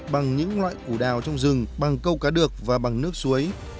bằng những loại củ đào trong rừng bằng câu cá được và bằng nước suối